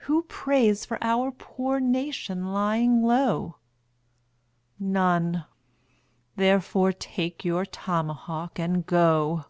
Who prays for our poor nation lying low? None therefore take your tomahawk and go.